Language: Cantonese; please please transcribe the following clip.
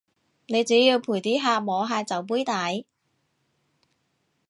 你只要陪啲客摸下酒杯底